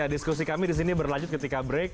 ya diskusi kami disini berlanjut ketika break